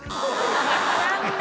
残念。